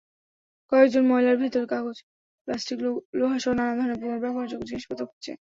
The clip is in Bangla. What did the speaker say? কয়েকজন ময়লার ভেতরে কাগজ, প্লাস্টিক, লোহাসহ নানা ধরনের পুনর্ব্যবহারযোগ্য জিনিসপত্র খুঁজছে।